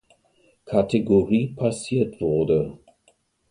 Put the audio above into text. Kategorie passiert wurde.